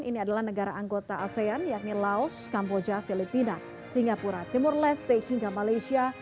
ini adalah negara anggota asean yakni laos kamboja filipina singapura timur leste hingga malaysia